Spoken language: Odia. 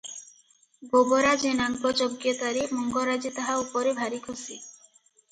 ଗୋବରା ଜେନାଙ୍କ ଯୋଗ୍ୟତାରେ ମଙ୍ଗରାଜେ ତାହା ଉପରେ ଭାରିଖୁସି ।